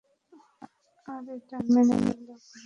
আর এটা মেনে নিলেও কোন ক্ষতি নেই।